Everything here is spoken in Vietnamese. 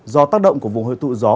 do tác động của vùng hơi tụ gió